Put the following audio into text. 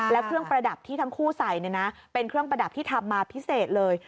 แล้วเครื่องประดับที่ทั้งคู่ใส่เป็นเครื่องประดับที่ทำมาพิเศษเลย